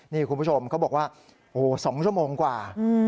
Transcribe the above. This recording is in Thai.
นี่คุณผู้ชมเขาบอกว่า๒ชั่วโมงกว่า